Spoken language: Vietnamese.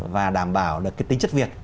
và đảm bảo được cái tính chất việt